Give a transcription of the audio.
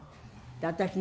私ね